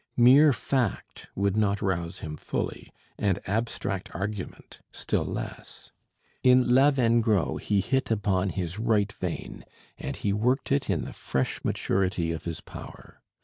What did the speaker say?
Mere fact would not rouse him fully, and abstract argument still less. In 'Lavengro' he hit upon his right vein, and he worked it in the fresh maturity of his power.